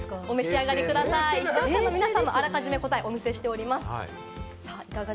視聴者の皆さんにはあらかじめ答えをお見せしております。